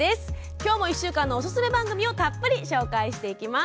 きょうも１週間のおすすめ番組をたっぷり紹介します。